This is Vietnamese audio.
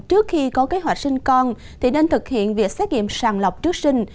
trước khi có kế hoạch sinh con nên thực hiện việc xét nghiệm sàn lọc trước sinh